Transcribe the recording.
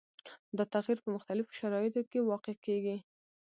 دا تغیر په مختلفو شرایطو کې واقع کیږي.